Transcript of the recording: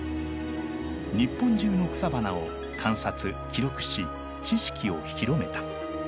日本中の草花を観察記録し知識を広めた。